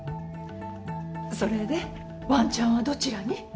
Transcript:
それでワンちゃんはどちらに？